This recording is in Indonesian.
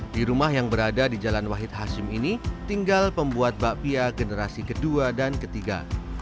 di rumah yang berada di jalan wahid hashim ini tinggal pembuat bakpia generasi kedua dan ketiga